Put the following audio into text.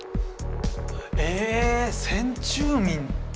ええ先住民。